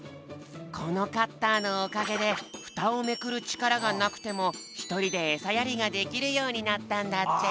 このカッターのおかげでフタをめくるちからがなくてもひとりでえさやりができるようになったんだって。